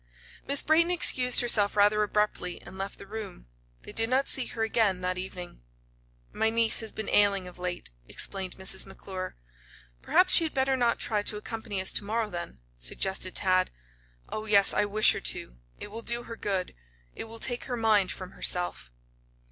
Miss Brayton excused herself rather abruptly and left the room. They did not see her again that evening. "My niece has been ailing of late," explained Mrs. McClure. "Perhaps she had better not try to accompany us to morrow, then," suggested Tad. "Oh, yes, I wish her to. It will do her good it will take her mind from herself."